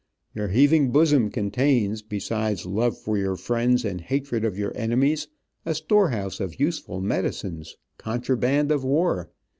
Your heaving bosom contains, besides love for your friends and hatred of your enemies, a storehouse of useful medicines, contraband of war.